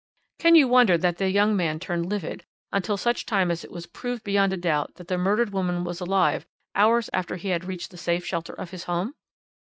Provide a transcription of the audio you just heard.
"Can you wonder that the young man turned livid, until such time as it was proved beyond a doubt that the murdered woman was alive hours after he had reached the safe shelter of his home?